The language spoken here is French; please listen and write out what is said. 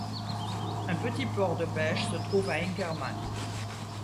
Un petit port de pêche se trouve à Inkerman.